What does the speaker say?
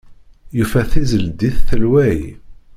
Yufa tizeldit telway.